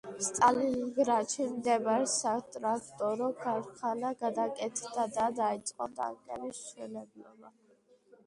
სტალინგრადში მდებარე სატრაქტორო ქარხანა გადაკეთდა და დაიწყო ტანკების მშენებლობა.